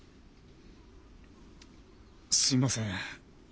すみません。